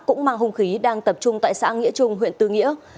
cũng mang hung khí đang tập trung tại xã nghĩa trung huyện tư nghĩa